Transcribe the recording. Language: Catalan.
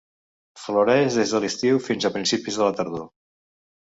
Floreix des de l'estiu fins a principis de la tardor.